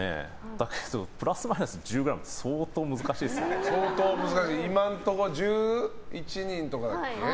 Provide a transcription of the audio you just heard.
だけどプラスマイナス１０ｇって今のところ１１人とかだっけ。